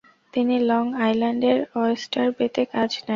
তিনি লং আইল্যান্ডের অয়ষ্টার বেতে কাজ নেন।